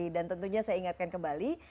dan tentunya saya ingatkan kembali